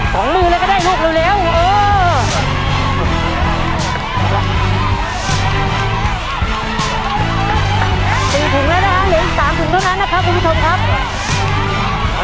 ของมือเลยก็ได้ลูกเร็วอ่อ